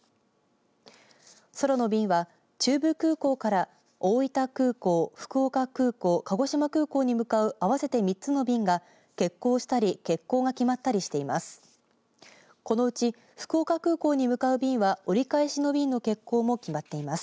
空の便は中部空港から大分空港福岡空港、鹿児島空港に向かう合わせて３つの便が欠航したり、欠航が決まったりしています。